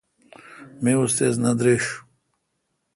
می استیز نہ دریݭ۔